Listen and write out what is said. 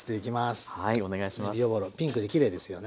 えびおぼろピンクできれいですよね。